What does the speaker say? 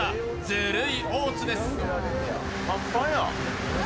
ずるい大津です。